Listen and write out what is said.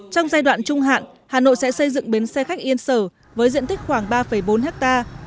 trong giai đoạn trung hạn hà nội sẽ xây dựng bến xe khách yên sở với diện tích khoảng ba bốn hectare